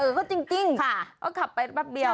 เออก็จริงก็ขับไปแป๊บเดียว